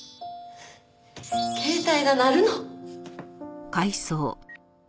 携帯が鳴るの。